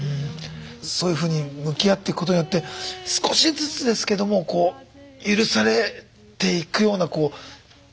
そういうふうに向き合ってくことによって少しずつですけどもこう許されていくような光みたいなのは見えてくるもんですか。